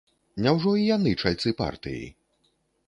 Няўжо і яны чальцы партыі?